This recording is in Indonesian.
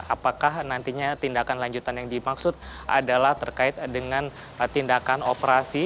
apakah nantinya tindakan lanjutan yang dimaksud adalah terkait dengan tindakan operasi